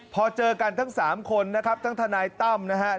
พอเจอกันทั้ง๓คนทั้งทนายตั้ม